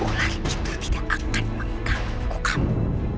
ular itu tidak akan mengganggu kamu